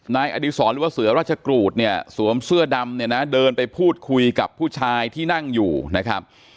อดีศรหรือว่าเสือราชกรูดเนี่ยสวมเสื้อดำเนี่ยนะเดินไปพูดคุยกับผู้ชายที่นั่งอยู่นะครับ